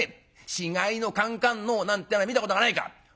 死骸の『かんかんのう』なんてのは見たことがないから。